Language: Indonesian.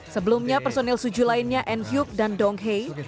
sebelumnya personel suju lainnya n hyuk dan dong hae